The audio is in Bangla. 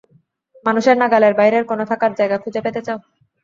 মানুষের নাগালের বাইরের কোনো থাকার জায়গা খুঁজে পেতে চাও?